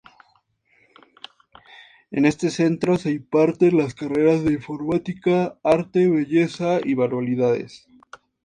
En este centro se imparten las carreras de informática, arte, belleza y manualidades.